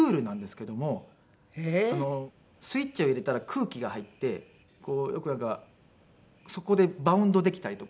スイッチを入れたら空気が入ってよくなんかそこでバウンドできたりとか。